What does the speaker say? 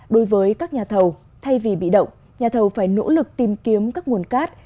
đối với các nhà thầu thay vì bị động nhà thầu phải nỗ lực tìm kiếm các nguồn cát